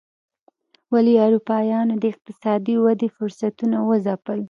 ولې اروپایانو د اقتصادي ودې فرصتونه وځپل.